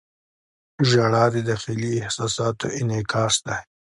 • ژړا د داخلي احساساتو انعکاس دی.